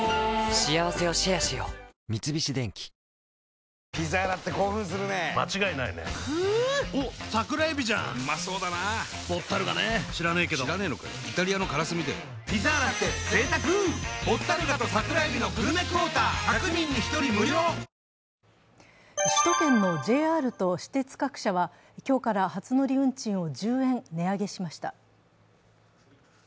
三菱電機首都圏のＪＲと私鉄各社は、今日から初乗り運賃を１０円値上げしました。